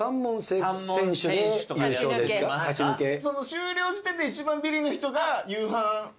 終了時点で一番ビリの人が夕飯。